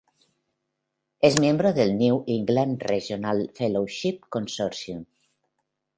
Es miembro del New England Regional Fellowship Consortium.